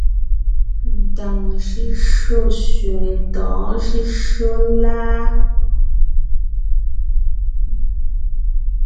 Ntàŋ shʉ́shyó sẅiŋe tɔ̌ɔn shʉ́shyó láa ?